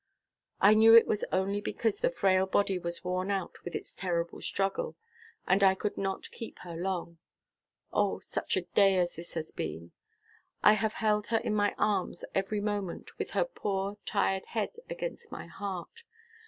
I knew it was only because the frail body was worn out with its terrible struggle, and I could not keep her long. O, such a day as this has been! I have held her in my arms every moment, with her poor, tired head against my heart.